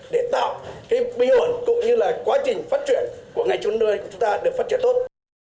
để tạo cái bình ổn cũng như là quá trình phát triển của ngày chốn nuôi của chúng ta được phát triển tốt